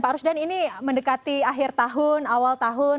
pak rusdan ini mendekati akhir tahun awal tahun